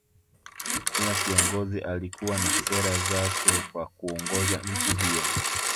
Kila kiongozi alikuwa na sera zake kwa kuongoza nchi hiyo